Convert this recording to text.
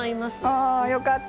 あよかった。